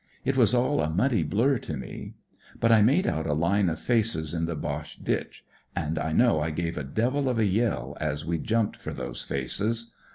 It was all a muddy blur to me. But I made out a line of faces in the Boche ditch ; and I know I gave a devil of a yell as we jumped for those faces.